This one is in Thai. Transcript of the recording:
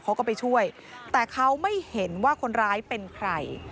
เขาก็ไปช่วยแต่เขาไม่เห็นว่าคนร้ายเป็นใคร